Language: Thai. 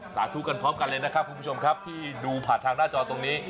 สาธุกันพร้อมกันเลยนะครับคุณผู้ชมครับที่ดูผ่านทางหน้าจอตรงนี้